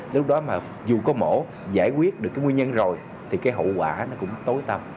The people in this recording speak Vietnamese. lúc đó mà dù có mổ giải quyết được cái nguyên nhân rồi thì cái hậu quả nó cũng tối tâm